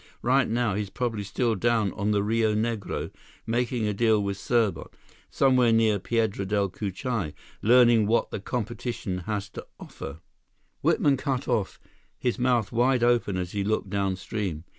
Right now, he's probably still down on the Rio Negro, making a deal with Serbot, somewhere near Piedra Del Cucuy, learning what the competition has to offer—" Whitman cut off, his mouth wide open as he looked downstream.